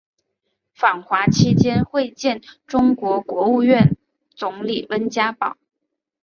访华期间会见中国国务院总理温家宝。